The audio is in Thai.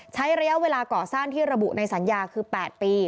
ใช้ระยะเวลาก่อสร้างที่ระบุในสัญญาคือ๘ปี